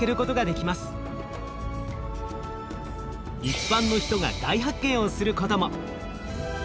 一般の人が大発見をすることも！